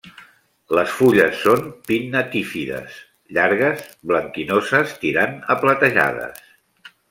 Les fulles són pinnatífides, llargues, blanquinoses tirant a platejades.